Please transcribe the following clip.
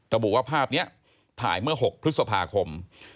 ระบุว่าภาพนี้ถ่ายเมื่อ๖พฤษภาคม